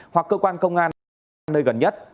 hoặc cơ quan công an ở nơi gần nhất